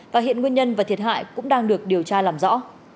và hiện nguyên nhân và thiệt hại cũng đang được điều tra làm rõ